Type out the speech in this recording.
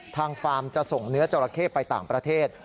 ฟาร์มจะส่งเนื้อจราเข้ไปต่างประเทศ